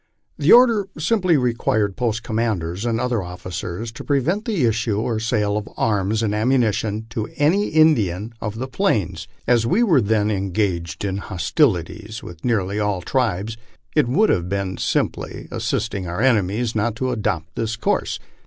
The order simply required post commanders and other officers to prevent the issue or sale of arms and ammunition to any Indians of the plains. As we were then engaged in hostilities with nearly all the tribes, it would have been simply as sisting our enemies not to adopt this course.